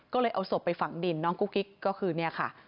ก็เลยเอาศพไปฝังดินน้องกุ๊กกิ๊กก็คือเนี่ยค่ะ